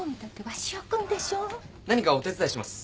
何かお手伝いします。